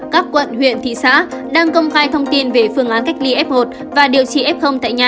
các quận huyện thị xã đang công khai thông tin về phương án cách ly f một và điều trị f tại nhà